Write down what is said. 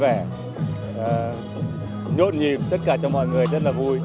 và nhốt nhìm tất cả cho mọi người rất là vui